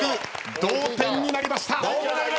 同点になりました。